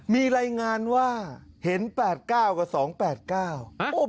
มีลายงานว่าเห็น๘๙กับ๒๘๙